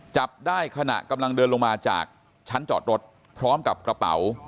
จับได้ขณะกำลังเดินลงมาจากชั้นจอดรถพร้อมกับกระเป๋า